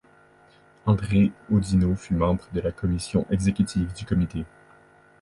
André Audinot fut membre de la commission exécutive du Comité.